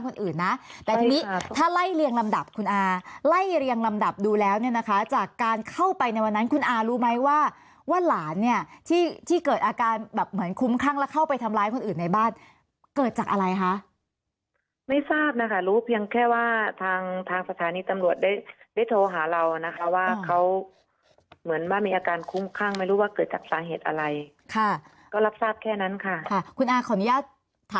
คนอื่นนะแต่ทีนี้ถ้าไล่เรียงลำดับคุณอาไล่เรียงลำดับดูแล้วเนี่ยนะคะจากการเข้าไปในวันนั้นคุณอารู้ไหมว่าว่าหลานเนี่ยที่ที่เกิดอาการแบบเหมือนคุ้มข้างแล้วเข้าไปทำร้ายคนอื่นในบ้านเกิดจากอะไรคะไม่ทราบนะคะรู้เพียงแค่ว่าทางทางสถานีตำรวจได้ได้โทรหาเรานะคะว่าเขาเหมือนว่ามีอาการคุ้มข้างไม่รู้ว่าเกิดจากสาเหตุอะไรค่ะก็รับทราบแค่นั้นค่ะค่ะคุณอาขออนุญาตถาม